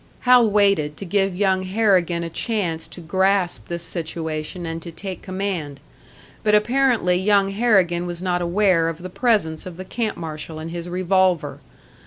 Hal waited, to give young Harrigan a chance to grasp this situation and to take command. But apparently young Harrigan was not aware of the presence of the camp marshal and his revolver.